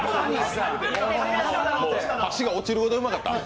箸が落ちるほどうまかった？